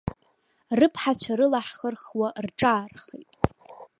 Рыԥҳацәа рыла ҳхырхуа рҿаархеит.